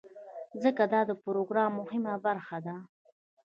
ځکه دا د پروګرام مهمه برخه ده.